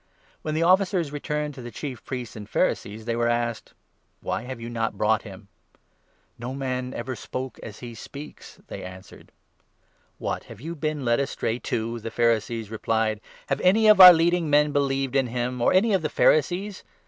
When the officers returned to the Chief Priests and Pharisees, 45 they were asked :" Why have you not brought him ?"" No man ever spoke as he speaks !" they answered. 46 "What! have you been led astray too?" the Pharisees 47 replied. " Have any of our leading men believed in him, or 48 any of the Pharisees